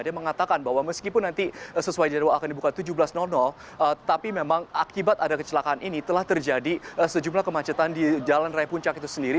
dia mengatakan bahwa meskipun nanti sesuai jadwal akan dibuka tujuh belas tapi memang akibat ada kecelakaan ini telah terjadi sejumlah kemacetan di jalan raya puncak itu sendiri